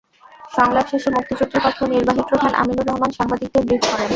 সংলাপ শেষে মুক্তিজোটের পক্ষে নির্বাহী প্রধান আমিনুর রহমান সাংবাদিকদের ব্রিফ করেন।